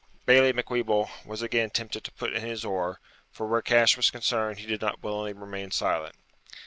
Bailie Macwheeble was again tempted to put in his oar; for where cash was concerned he did not willingly remain silent.